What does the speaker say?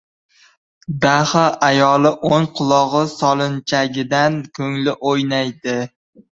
Daho ayoli o‘ng qulog‘i solinchagidan ko‘ngli o‘ynadi!